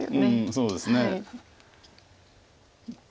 そうですね。